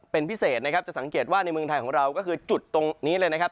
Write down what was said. เป็นพิเศษนะครับจะสังเกตว่าในเมืองไทยของเราก็คือจุดตรงนี้เลยนะครับ